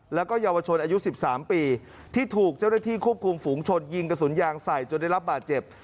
แล้วก็เยาวชนอายุ๑๓ปีที่ถูกเจ้าหน้าที่ควบคุมฝูงชนยิงกระสุนยางใส่จนได้รับบาดเจ็บ